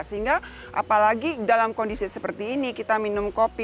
sehingga apalagi dalam kondisi seperti ini kita minum kopi